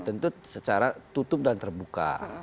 tentu secara tutup dan terbuka